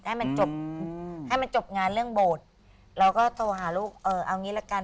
ให้มันจบให้มันจบงานเรื่องโบสถ์เราก็โทรหาลูกเออเอางี้ละกัน